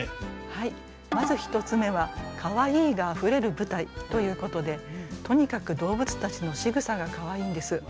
はいまず１つ目は「カワイイがあふれる舞台」ということでとにかく動物たちのしぐさがカワイイんです。